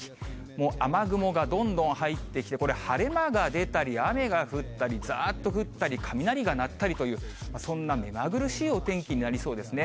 もう雨雲がどんどん入ってきて、これ、晴れ間が出たり、雨が降ったり、ざーっと降ったり、雷が鳴ったりという、そんな目まぐるしいお天気になりそうですね。